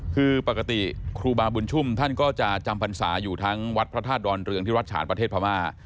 คือปกติครูบาบุญชุ่มท่านก็จะจำพรรษาอยู่ทั้งวัดพระธาตุดอนเรืองที่วัดฉานประเทศพม่า